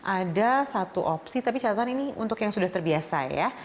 ada satu opsi tapi catatan ini untuk yang sudah terbiasa ya